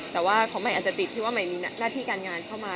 แต่ว่าของใหม่อาจจะติดที่ว่าใหม่มีหน้าที่การงานเข้ามา